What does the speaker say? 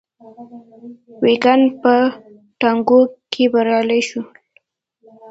ویګیان په ټاکنو کې بریالي شول.